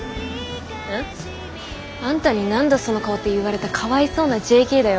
ん？あんたに「何だ？その顔」って言われたかわいそうなＪＫだよ。